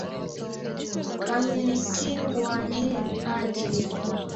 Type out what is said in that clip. Kamilikigwa nyi haji.